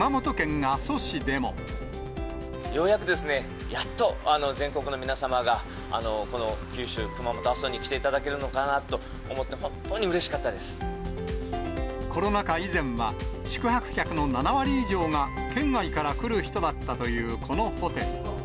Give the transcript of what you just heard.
ようやくですね、やっと全国の皆様が、この九州、熊本・阿蘇に来ていただけるのかなと思って、本当にうれしかったコロナ禍以前は宿泊客の７割以上が県外から来る人だったというこのホテル。